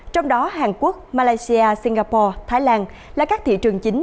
trong đó hàn quốc malaysia singapore thái lan là các thị trường chính